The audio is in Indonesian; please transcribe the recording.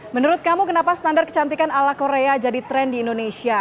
menurut kamu kenapa standar kecantikan ala korea jadi tren di indonesia